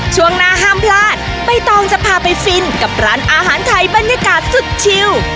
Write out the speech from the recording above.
ช่วงหน้าห้ามพลาดใบตองจะพาไปฟินกับร้านอาหารไทยบรรยากาศสุดชิว